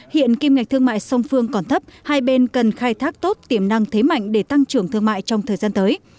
hiện kim ngạch thương mại song phương còn thấp hai bên cần khai thác tốt tiềm năng thế mạnh để tăng trưởng thương mại trong thời gian tới